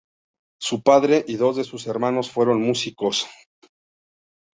Su padre y dos de sus hermanos fueron músicos.